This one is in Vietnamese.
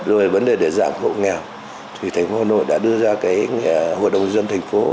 rồi vấn đề để giảm hộ nghèo thì thành phố hà nội đã đưa ra cái hội đồng dân thành phố